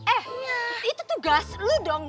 eh itu tugas lu dong